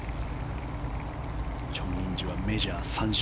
チョン・インジはメジャー３勝。